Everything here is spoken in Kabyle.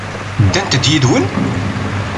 Ddant-d yid-wen?